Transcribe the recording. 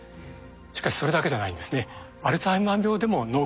しかしそれだけじゃないんですね。